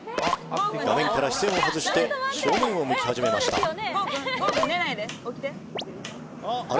画面から視線をはずして正面を向き始めましたあれ？